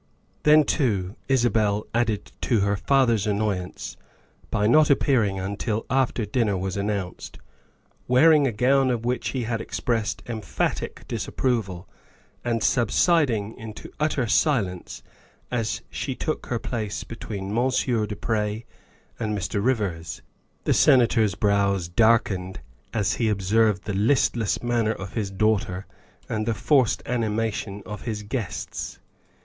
Then too Isabel added to her father's annoyance by not appearing until after dinner was announced, wear ing a gown of which he had expressed emphatic disap proval, and subsiding into utter silence as she took her place between Monsieur du Pre and Mr. Rivers. The Senator's brows darkened as he observed the listless manner of his daughter and the forced animation of his guests.